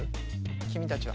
君たちは。